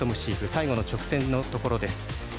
最後の直線のところです。